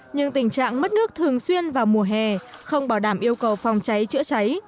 nhưng tình trạng mất nước thường xuyên vào mùa hè không bảo đảm yêu cầu phòng cháy chữa cháy